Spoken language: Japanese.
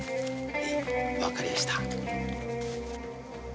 分かりやした。